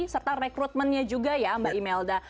serta rekrutmennya juga ya mbak imelda